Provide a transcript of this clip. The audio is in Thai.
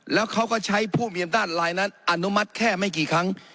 แล้วเขาก็ใช้ผู้มีอำนาจลายนั้นอนุมัติแค่ไม่กี่ครั้ง